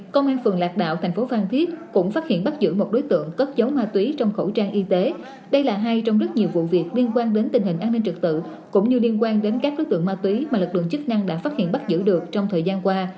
công an phường lạc đạo thành phố phan thiết cũng phát hiện bắt giữ một đối tượng cất dấu ma túy trong khẩu trang y tế đây là hai trong rất nhiều vụ việc liên quan đến tình hình an ninh trực tự cũng như liên quan đến các đối tượng ma túy mà lực lượng chức năng đã phát hiện bắt giữ được trong thời gian qua